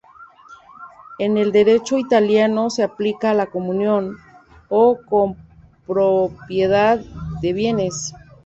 En el derecho italiano se aplica a la "comunión" o copropiedad de bienes.